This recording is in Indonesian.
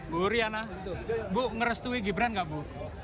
bu riana bu ngerestui gibran nggak bu